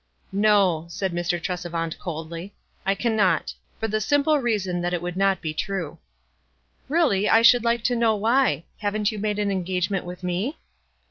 " No," said Mr. Tresevant, coldly, "I can not, for the simple reason that it would not be true." " Really, I should like to know why ? Haven't you made an engagement with me?"